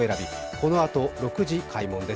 このあと６時、開門です。